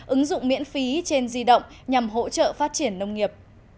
ứng dụng miễn phí trên di động nhằm hỗ trợ phát triển nông nghiệp